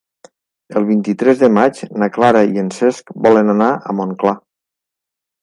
El vint-i-tres de maig na Clara i en Cesc volen anar a Montclar.